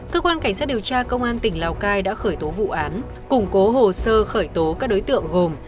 cơ quan cảnh sát điều tra công an tỉnh lào cai đã khởi tố vụ án củng cố hồ sơ khởi tố các đối tượng gồm